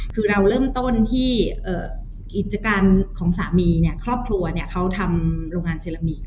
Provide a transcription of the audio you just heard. คือเราเริ่มต้นที่กิจการของสามีเนี่ยครอบครัวเนี่ยเขาทำโรงงานเซรามิก